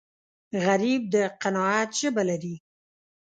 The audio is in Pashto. غریب د قناعت ژبه لري